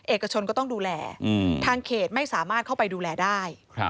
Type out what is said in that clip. เอกชนก็ต้องดูแลทางเขตไม่สามารถเข้าไปดูแลได้